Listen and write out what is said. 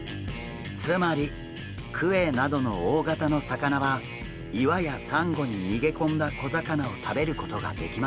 つまりクエなどの大型の魚は岩やサンゴに逃げ込んだ小魚を食べることができません。